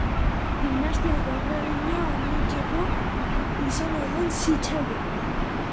Dinastiako erregina omentzeko izena eman zitzaion.